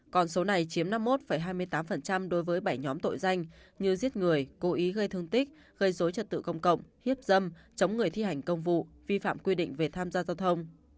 còn số này chiếm năm mươi một hai mươi tám đối với bảy nhóm tội danh như giết người cố ý gây thương tích gây dối trật tự công cộng hiếp dâm chống người thi hành công vụ vi phạm quy định về tham gia giao thông